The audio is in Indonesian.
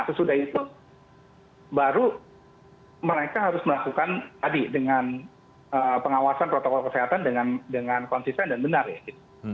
sesudah itu baru mereka harus melakukan tadi dengan pengawasan protokol kesehatan dengan konsisten dan benar ya gitu